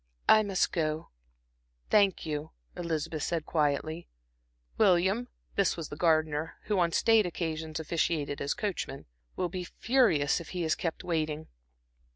"I must go, thank you," Elizabeth said, quietly. "William," this was the gardener, who on state occasions officiated as coachman "will be furious if he is kept waiting."